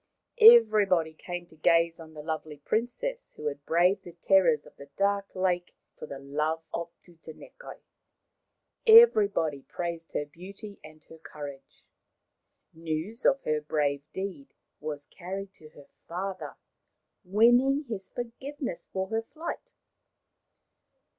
Every body came to gaze on the lovely princess who had braved the terrors of the dark lake for love of 244 Maoriland Fairy Tales Tutanekai ; everybody praised her beauty and her courage. News of her brave deed was carried to her father, winning his forgiveness for her flight.